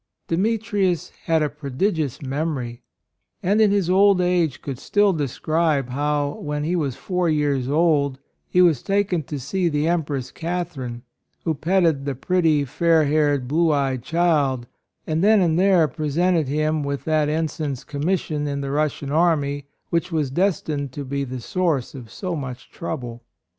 Demetrius had a prodigious memory, and in his old age 24 A ROYAL SON could still describe how when he was four Years old he was taken to see the Empress Catherine, who petted the pretty, fair haired, blue eyed child, and then and there presented him with that ensign's commission in the Russian army which was destined to be the source of so much trouble.